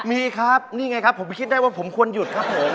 มีครับนี่ไงครับผมคิดได้ว่าผมควรหยุดครับผม